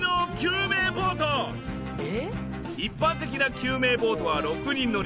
一般的な救命ボートは６人乗り。